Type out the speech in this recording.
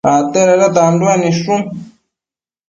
Acte dada tanduec nidshu